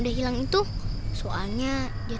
ada sesuatu tempat kayak gimana